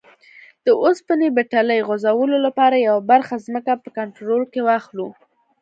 د اوسپنې پټلۍ غځولو لپاره یوه برخه ځمکه په کنټرول کې واخلو.